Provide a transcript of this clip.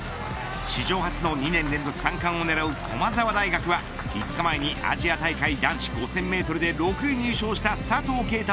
史上初の２年連続三冠を狙う駒澤大学は５日前にアジア大会男子５０００メートルで６位入賞した佐藤圭汰。